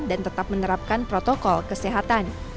dan tetap menerapkan protokol kesehatan